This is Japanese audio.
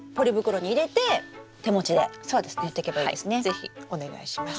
是非お願いします。